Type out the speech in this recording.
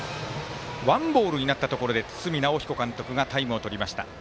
ワンボールになったところで堤尚彦監督がタイムをとりました。